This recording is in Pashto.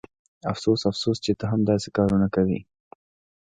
افسوس افسوس چې ته هم داسې کارونه کوې